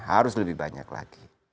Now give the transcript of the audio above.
harus lebih banyak lagi